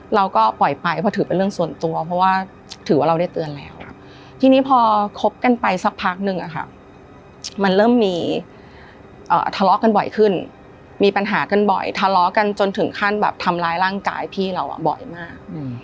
เราก็ปล่อยไปเพราะถือเป็นเรื่องส่วนตัวเพราะว่าถือว่าเราได้เตือนแล้วทีนี้พอคบกันไปสักพักนึงอะค่ะมันเริ่มมีทะเลาะกันบ่อยขึ้นมีปัญหากันบ่อยทะเลาะกันจนถึงขั้นแบบทำร้ายร่างกายพี่เราบ่อยมาก